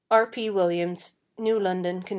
R. P. Williams, New London, Conn.